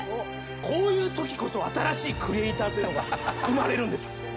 こういうときこそ新しいクリエイターというのが生まれるんです。